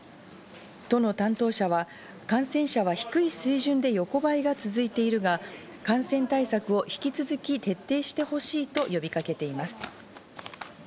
都の担当者は感染者は低い水準で横ばいが続いているが、感染対策を引き続き徹底してほしいと呼びかけています。